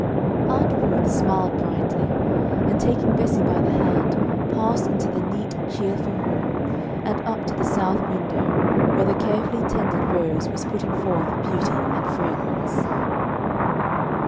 Aunt Ruth smiled brightly, and, taking Bessie by the hand, passed into the neat, cheerful room, and up to the south window, where the carefully tended rose was putting forth beauty and fragrance.